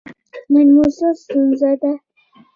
نن مو څه ستونزه ده؟